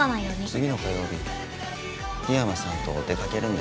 次の火曜日緋山さんと出かけるんでしょ？